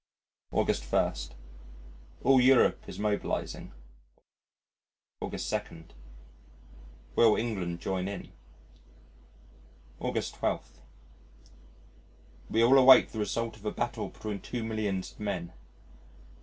August 1. All Europe is mobilising. August 2. Will England join in? August 12. We all await the result of a battle between two millions of men.